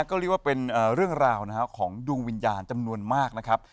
ก็เรียกว่าเป็นเรื่องราวของดวงวิญญาณจำนวนมากนะครับ